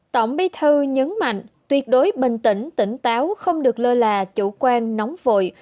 tổng bí thư nhấn mạnh tuyệt đối bình tĩnh tỉnh táo không được lơ là chủ quan nóng vội